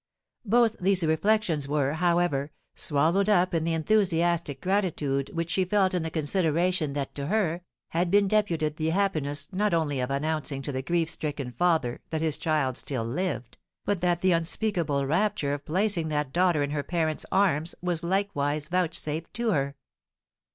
Both these reflections were, however, swallowed up in the enthusiastic gratitude which she felt in the consideration that to her had been deputed the happiness not only of announcing to the grief stricken father that his child still lived, but that the unspeakable rapture of placing that daughter in her parent's arms was likewise vouchsafed to her.